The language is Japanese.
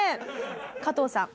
加藤さん。